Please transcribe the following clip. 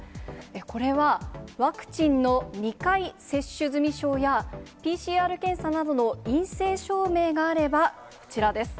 これは、ワクチンの２回接種済証や、ＰＣＲ検査などの陰性証明があれば、こちらです。